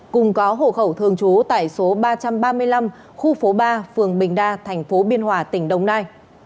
cùng có hội khẩu thường trú tại số ba trăm ba mươi năm khu phố ba phường bình đa tp biên hòa tỉnh đông nai